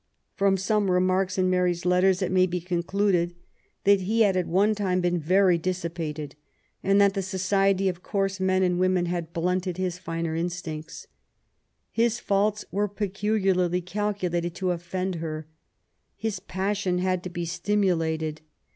From some remarks in Mary's letters it may be coiic\\x.di&dL ^^\. V^ V^ ^ 130 MAEY W0LL8T0NECRAFT GODWIN. one time been very dissipated, and that the society of coarse men and women had blunted his finer instincts. His faults were peculiarly calculated to offend her. His passion had to be stimulated.